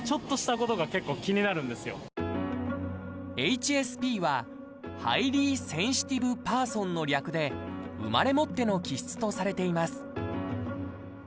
ＨＳＰは「ハイリー・センシティブ・パーソン」の略で生まれ持っての気質とされています